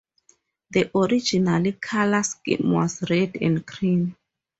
The original colour scheme was red and cream.